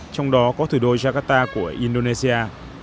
trong đó có thủ đô jakarta của indonesia